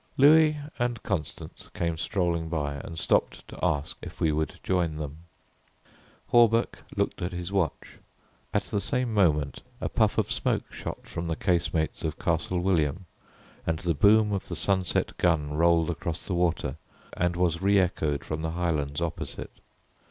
Louis and Constance came strolling by and stopped to ask if we would join them. Hawberk looked at his watch. At the same moment a puff of smoke shot from the casemates of Castle William, and the boom of the sunset gun rolled across the water and was re echoed from the Highlands opposite.